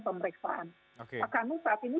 pemeriksaan kami saat ini